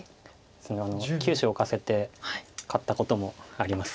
９子置かせて勝ったこともあります。